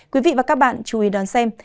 quý vị và các bạn chú ý đón xem